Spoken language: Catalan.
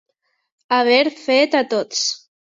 Haver fet atots.